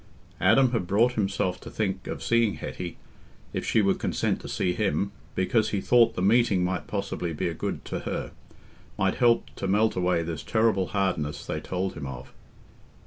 Adam had brought himself to think of seeing Hetty, if she would consent to see him, because he thought the meeting might possibly be a good to her—might help to melt away this terrible hardness they told him of.